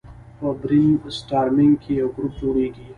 په برین سټارمینګ کې یو ګروپ جوړیږي.